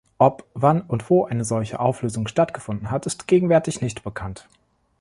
Ob, wann und wo eine solche Auflösung stattgefunden hat ist gegenwärtig nicht bekannt.